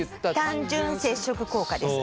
単純接触効果です。